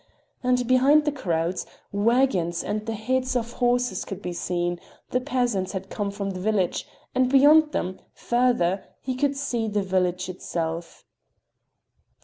And behind the crowd, wagons and the heads of horses could be seen—the peasants had come from the village; and beyond them, further, he could see the village itself.